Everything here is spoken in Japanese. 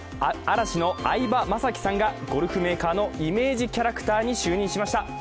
嵐の相葉雅紀さんがゴルフメーカーのイメージキャラクターに就任しました。